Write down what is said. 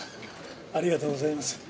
ありがとうございます。